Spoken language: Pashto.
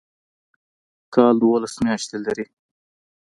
کال دوولس میاشتې لري